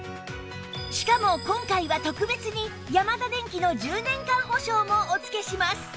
しかも今回は特別にヤマダデンキの１０年間保証もお付けします